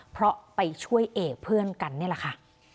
เพราะไปช่วยเอกเพื่อนกันนี่แหละค่ะ